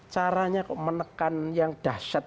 caranya kok menekan yang dahsyat